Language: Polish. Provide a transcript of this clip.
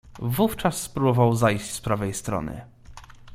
"Wówczas spróbował zajść z prawej strony."